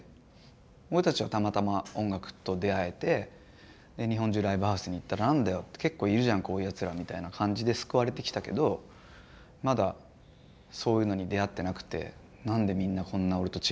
俺たちはたまたま音楽と出会えて日本中ライブハウスに行ったら「何だよ結構いるじゃんこういうやつら」みたいな感じで救われてきたけどまだそういうのに出会ってなくて「なんでみんなこんな俺と違うんだろう」みたいな。